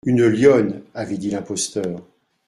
«Une lionne,» avait dit l’imposteur.